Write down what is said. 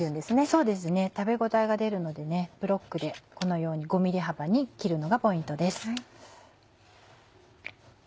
そうですね食べ応えが出るのでブロックでこのように５ｍｍ幅に切るのがポイントです。